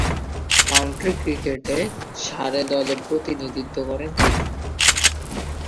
County ক্রিকেটে Surrey দলে প্রতিনিধিত্ব করেন তিনি।